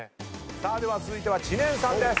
さあでは続いては知念さんです。